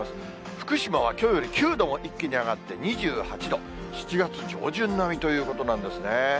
福島はきょうより９度も一気に上がって２８度、７月上旬並みということですね。